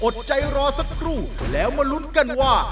อดใจรอสักครู่แล้วมาลุ้นกันว่า